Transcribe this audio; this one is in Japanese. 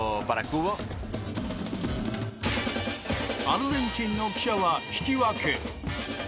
アルゼンチンの記者は引き分け。